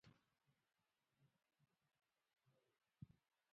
نورستان د افغانستان د شنو سیمو ښکلا ده.